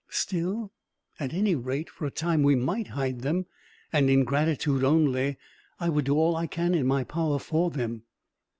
Still, at any rate, for a time we might hide them; and in gratitude only, I would do all in my power for them."